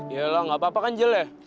yelah gak apa apa kan angela